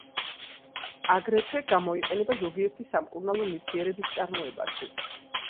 აგრეთვე გამოიყენება ზოგიერთი სამკურნალო ნივთიერების წარმოებაში.